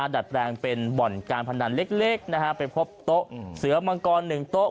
ดัดแปลงเป็นบ่อนการพนันเล็กไปพบโต๊ะเสือมังกร๑โต๊ะ